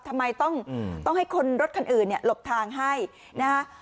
ทำไมต้องให้คนรถคันอื่นเนี่ยหลบทางให้นะฮะ